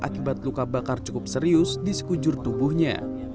akibat luka bakar cukup serius di sekujur tubuhnya